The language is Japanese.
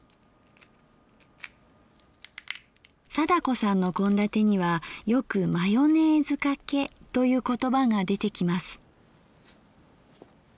貞子さんの献立にはよく「マヨネーズかけ」という言葉が出てきます。